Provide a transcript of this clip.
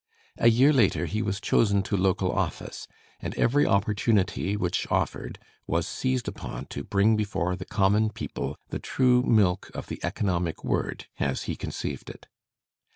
A year later he was chosen to local office, and every opportunity which offered was seized upon to bring before the common people the true milk of the economic word, as he conceived it.